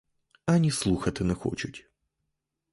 Ані слухати не хочуть.